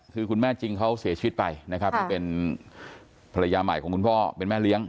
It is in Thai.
คือคุณแม่จริงเขาเสียชีวิตไปนะครับที่เป็นภรรยาใหม่ของคุณพ่อเป็นแม่เลี้ยง